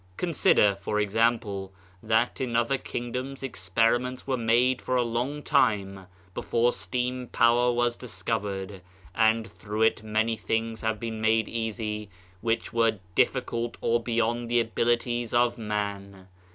Consider for example, that in other kingdoms experiments were made for a long time before steam power was discovered; and through it many things have been made easy which were difficult or beyond the abilities of man.